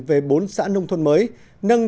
về bốn xã nông thôn mới nâng